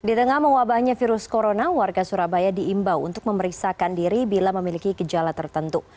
di tengah mewabahnya virus corona warga surabaya diimbau untuk memeriksakan diri bila memiliki gejala tertentu